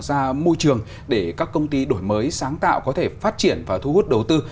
tạo ra môi trường để các công ty đổi mới sáng tạo có thể phát triển và thu hút đầu tư